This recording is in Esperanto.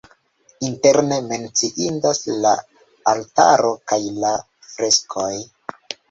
Interne menciindas la altaro kaj la freskoj.